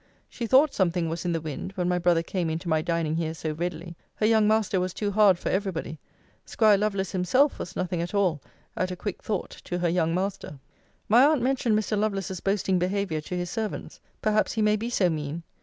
She thought something was in the wind, when my brother came into my dining here so readily. Her young master was too hard for every body. 'Squire Lovelace himself was nothing at all at a quick thought to her young master. My aunt mentioned Mr. Lovelace's boasting behaviour to his servants: perhaps he may be so mean.